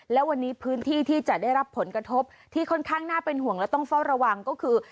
และวันนี้พื้นที่ที่จะได้รับผลกระทบที่ค่อนข้างน่าเป็นห่วงและต้องเฝ้าระวังก็คือ